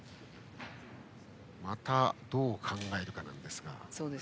また、どう考えるかなんですが。